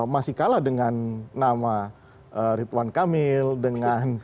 masih kalah dengan nama ridwan kamil dengan